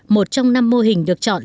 một trong năm mô hình được chọn